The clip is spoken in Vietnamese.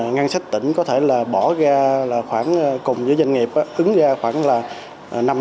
ngăn sách tỉnh có thể bỏ ra khoảng cùng với doanh nghiệp